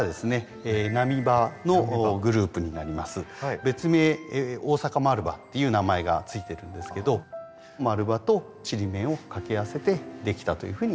別名大阪丸葉っていう名前が付いてるんですけど丸葉とちりめんを掛け合わせてできたというふうにいわれてます。